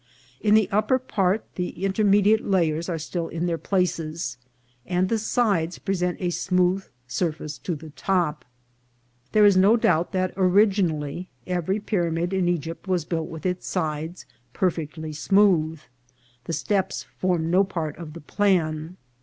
In the upper part the intermediate layers are still in their places, and the sides present a smooth surface to the top. There is no doubt that originally every pyramid in Egypt was built with its sides perfectly smooth. The steps formed no part of the plan.